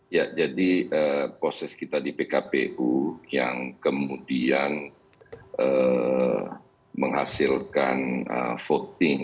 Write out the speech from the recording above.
ya jadi proses kita di pkpu yang kemudian menghasilkan voting